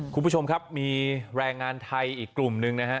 คุณผู้ชมครับมีแรงงานไทยอีกกลุ่มหนึ่งนะฮะ